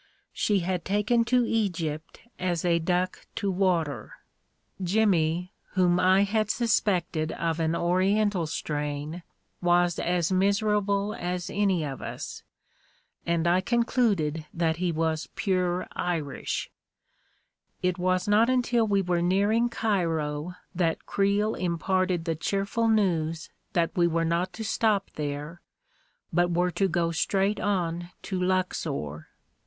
She had taken to Egypt as a duck to water. Jimmy, A KING IN BABYLON 89 whom I had suspected of an Oriental strain, was as miserable as any of us, and I concluded that he was pure Irish 1 It was not until we were nearing Cairo that Creel imparted the cheerful news that we were not to stop there, but were to go straight on to Luxor.